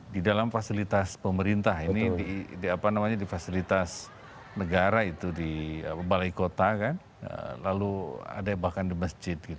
di dalam fasilitas pemerintah ini di fasilitas negara itu di balai kota lalu ada bahkan di masjid